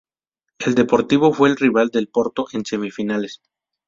El Deportivo fue el rival del Porto en semifinales.